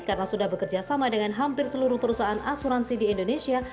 karena sudah bekerja sama dengan hampir seluruh perusahaan asuransi di indonesia